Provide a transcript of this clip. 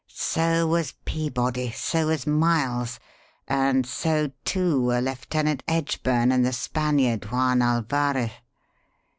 So was Peabody; so was Miles; and so, too, were Lieutenant Edgburn and the Spaniard, Juan Alvarez.